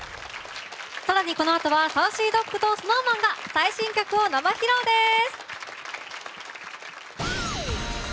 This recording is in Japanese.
更にこのあとはＳａｕｃｙＤｏｇとＳｎｏｗＭａｎが最新曲を生披露です。